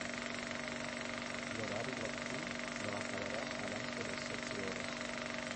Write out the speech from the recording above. L'horari lectiu no acabarà abans de les setze hores.